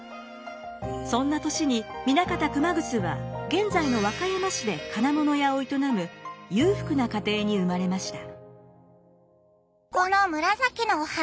そんな年に南方熊楠は現在の和歌山市で金物屋を営む裕福な家庭に生まれました。